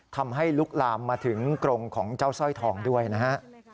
ลุกลามมาถึงกรงของเจ้าสร้อยทองด้วยนะฮะ